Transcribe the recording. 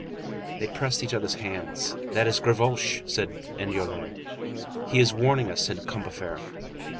54 They pressed each other's hands. "That is Gavroche," said Enjolras. "He is warning us," said Combeferre.